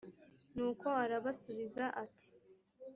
nuko arabasubiza ati